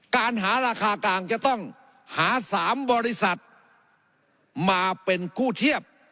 การหาราคากลางจะต้องหา๓บริษัทมาเป็นกู้เทียบ